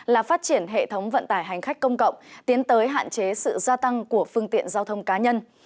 là phát triển hệ thống vận tải hành khách công cộng tiến tới hạn chế sự gia tăng của phương tiện giao thông cá nhân